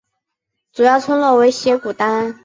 主要村落为斜古丹。